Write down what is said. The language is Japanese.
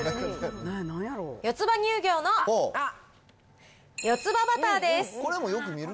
よつ葉乳業のよつ葉バターです。